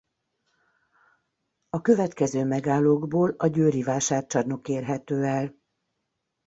A következő megállókból a győri vásárcsarnok érhető el.